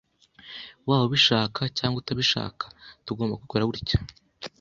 Waba ubishaka cyangwa utabishaka, tugomba kubikora gutya.